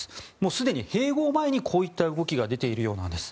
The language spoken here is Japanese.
すでに併合前にこういった動きが出ているようなんです。